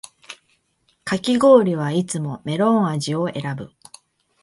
かき氷はいつもメロン味を選ぶ